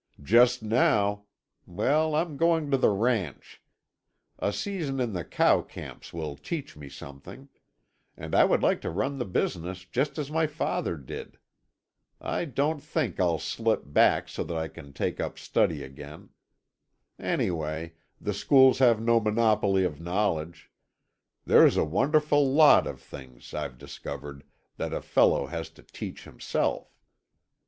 "Just now—well, I'm going to the ranch. A season in the cow camps will teach me something; and I would like to run the business just as my father did. I don't think I'll slip back so that I can't take up study again. Anyway, the schools have no monopoly of knowledge; there's a wonderful lot of things, I've discovered, that a fellow has to teach himself."